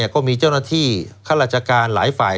ก็มีเจ้าหน้าที่ข้าราชการหลายฝ่าย